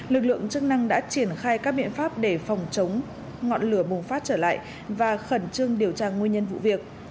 lực lượng chức năng đã triển khai các biện pháp để phòng chống ngọn lửa bùng phát trở lại và khẩn trương điều tra nguyên nhân vụ việc